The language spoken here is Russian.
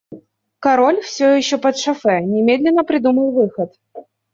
Король, все еще подшофе, немедленно придумал выход.